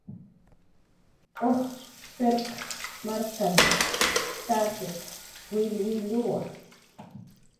"Ujtz' Pirw markan t""akiq willwilluwa"